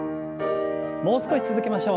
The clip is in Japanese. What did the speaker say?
もう少し続けましょう。